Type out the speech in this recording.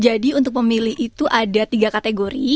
jadi untuk pemilih itu ada tiga kategori